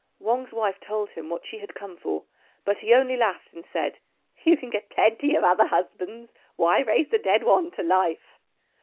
Wang's wife told him what she had come for, but he only laughed and said, "You can get plenty of other husbands. Why raise the dead one to life?"